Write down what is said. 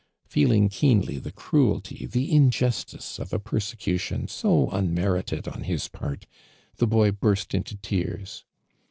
Feeling keenly the cruelty, the injustice of a jiersecution so unmerited on his part, the boy burst into tears.